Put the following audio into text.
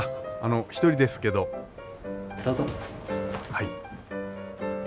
はい。